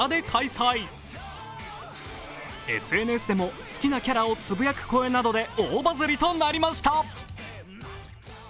ＳＮＳでも好きなキャラをつぶやく声などで大バズリとなりました。